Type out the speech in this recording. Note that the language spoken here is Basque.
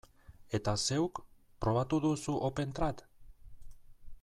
Eta zeuk, probatu duzu OpenTrad?